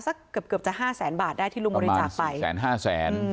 สักเกือบจะ๕แสนบาทได้ที่ลุงบริจาคไปประมาณ๔แสน๕แสน